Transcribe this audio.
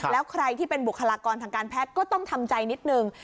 แล้วใครที่เป็นบุคลากรทางการแพทย์ก็ต้องทำใจนิดนึง